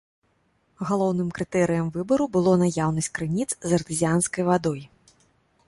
Галоўным крытэрыем выбару было наяўнасць крыніц з артэзіянскай вадой.